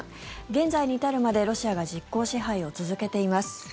現在に至るまでロシアが実効支配を続けています。